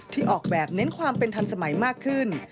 ออกแบบเน้นความเป็นทันสมัยมากขึ้น